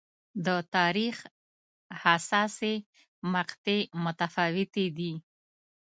د تاریخ حساسې مقطعې متفاوتې دي.